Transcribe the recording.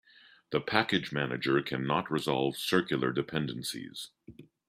The package manager cannot resolve circular dependencies.